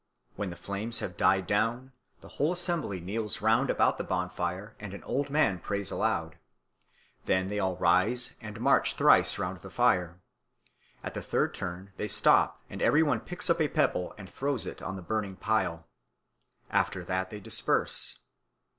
When the flames have died down, the whole assembly kneels round about the bonfire and an old man prays aloud. Then they all rise and march thrice round the fire; at the third turn they stop and every one picks up a pebble and throws it on the burning pile. After that they disperse.